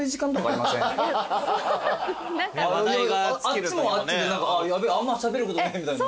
あっちもあっちでヤベえあんましゃべることねえみたいな。